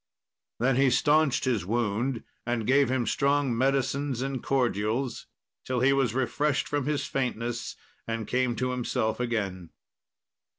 Then he staunched his wound, and gave him strong medicines and cordials till he was refreshed from his faintness and came to himself again.